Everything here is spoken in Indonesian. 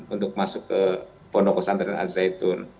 untuk masuk ke ponoksantren azaytun